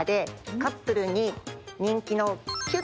カップルに人気のきゅん！